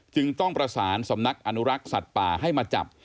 จึงต้องประสานสำนักอนุรักษ์สัตว์ป่าให้มาจับ